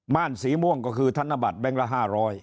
่านสีม่วงก็คือธนบัตรแบงค์ละ๕๐๐